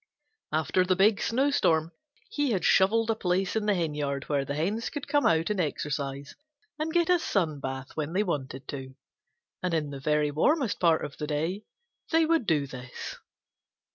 After the big snowstorm he had shovelled a place in the henyard where the hens could come out and exercise and get a sun bath when they wanted to, and in the very warmest part of the clay they would do this.